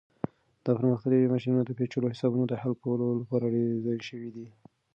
دا پرمختللي ماشینونه د پیچلو حسابونو د حل کولو لپاره ډیزاین شوي دي.